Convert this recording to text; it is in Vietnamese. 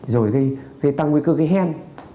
rồi gây tăng nguy cơ gây hen